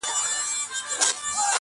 باندي شعرونه ليكم.